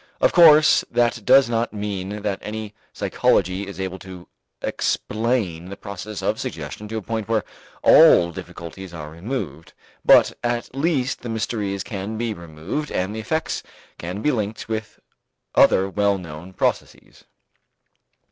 Of course, that does not mean that any psychology is able to explain the process of suggestion to a point where all difficulties are removed, but at least the mysteries can be removed and the effects can be linked with other well known processes.